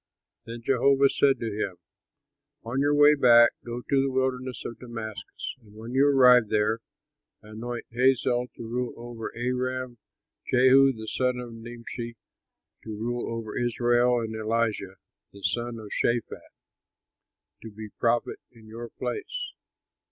Then Jehovah said to him, "On your way back go to the wilderness of Damascus, and when you arrive there, anoint Hazael to rule over Aram, Jehu, the son of Nimshi, to rule over Israel, and Elisha, the son of Shaphat, to be prophet in your place.